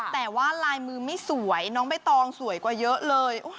แต่ว่าลายมือไม่สวยน้องใบตองสวยกว่าเยอะเลย